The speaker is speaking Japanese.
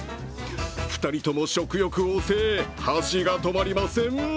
２人とも食欲旺盛、箸が止まりません。